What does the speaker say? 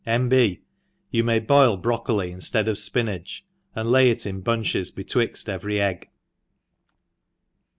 — N. B. You may boil brocoli inflead of fpinage, and lay it in bunches betwixt every egg.